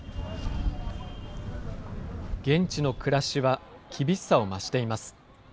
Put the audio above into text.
現地の暮らしは厳しさを増しています。